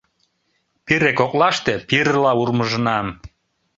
Пире коклаште пирыла урмыжынам.